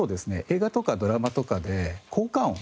映画とかドラマとかで効果音。